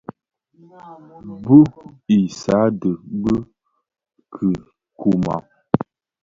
Bu i sààdee bi kikumàg.